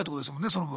その分。